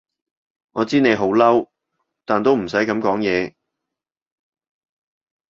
我知你好嬲，但都唔使噉講嘢